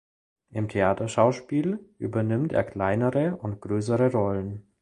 Im Theaterschauspiel übernimmt er kleinere und größere Rollen.